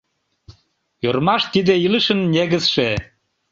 Ӧрмаш — тиде илышын негызше.